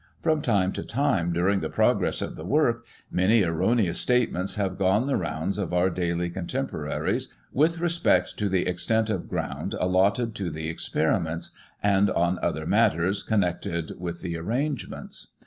From time to time, during the progress of the work, many erroneous statements have gone the rounds of our daily con temporaries, with respect to the extent of ground allotted to the experiments, and on other matters connected with the arrangements.